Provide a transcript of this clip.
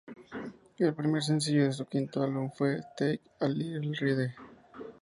El primer sencillo de su quinto álbum fue "Take a Little Ride".